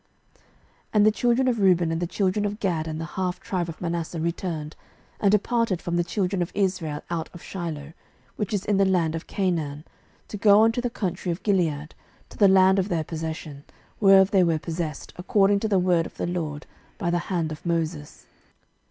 06:022:009 And the children of Reuben and the children of Gad and the half tribe of Manasseh returned, and departed from the children of Israel out of Shiloh, which is in the land of Canaan, to go unto the country of Gilead, to the land of their possession, whereof they were possessed, according to the word of the LORD by the hand of Moses.